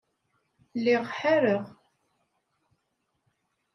Lliɣ ḥareɣ.